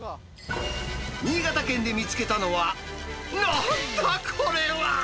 新潟県で見つけたのは、なんだこれは！